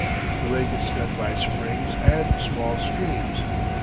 The lake is fed by springs and small streams.